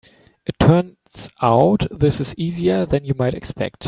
It turns out this is easier than you might expect.